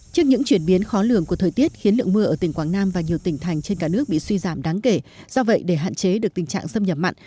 trước những chuyển biến khó lường của thời tiết khiến lượng mưa ở tỉnh quảng nam và nhiều tỉnh thành trên cả nước bị suy giảm đáng kể do vậy để hạn chế được tình trạng xâm nhập mặn